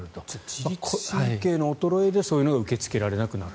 自律神経の衰えでそういうのが受け付けられなくなる。